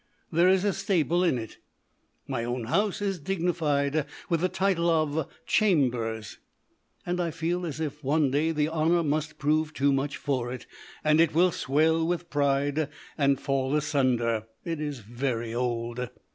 There is a stable in it. My own house is dignified with the title of "Chambers ". I feel as if one day the honour must prove too much for it, and it will swell with pride and fall asunder. It is very old.